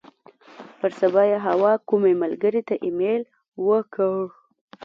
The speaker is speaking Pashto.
پر سبا یې حوا کومې ملګرې ته ایمیل وکړ.